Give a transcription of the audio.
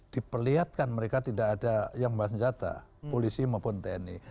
diperlihatkan mereka tidak ada yang membawa senjata polisi maupun tni